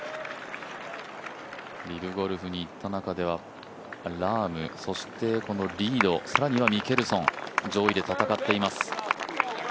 リブゴルフに行った中ではそしてこのリード、更にはミケルソン上位で戦っています。